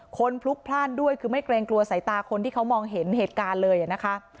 พลุกพลาดด้วยคือไม่เกรงกลัวสายตาคนที่เขามองเห็นเหตุการณ์เลยนะคะ